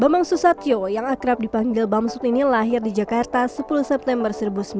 bambang susatyo yang akrab dipanggil bamsud ini lahir di jakarta sepuluh september seribu sembilan ratus sembilan puluh